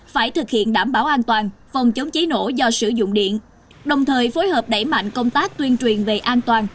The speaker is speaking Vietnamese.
phải thực hiện đảm bảo an toàn phòng chống cháy nổ do sử dụng điện đồng thời phối hợp đẩy mạnh công tác tuyên truyền về an toàn